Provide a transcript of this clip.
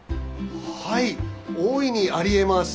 はい大いにありえます。